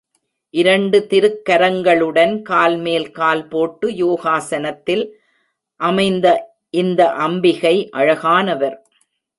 இரண்டு திருக்கரங்களுடன் கால்மேல் கால் போட்டு யோகாசனத்தில் அமைந்த இந்த அம்பிகை அழகானவர்.